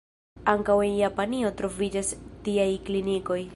Ankaŭ en Japanio troviĝas tiaj klinikoj.